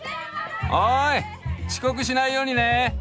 おい遅刻しないようにね！